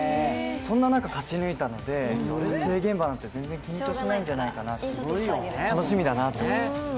そんな中勝ち抜いたので、撮影現場なんて全然緊張しないんじゃないかなと思って楽しみです。